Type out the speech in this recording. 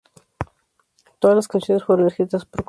Todas las canciones fueron escritas por Coda.